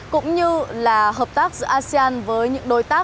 cũng như là hợp tác giữa asean với những đối tác